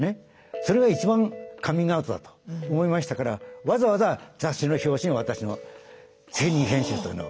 それが一番カミングアウトだと思いましたからわざわざ雑誌の表紙に私の責任編集というのを。